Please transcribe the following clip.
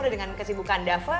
dengan kesibukan dafa